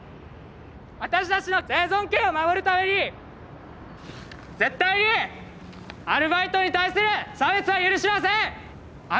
私たちの生存権を守るために絶対にアルバイトに対する差別は許しません！